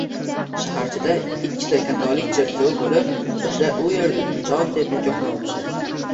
Shaharchada ikkita katolik cherkovi bo`lib, yoshlar u erda jon deb nikohdan o`tishadi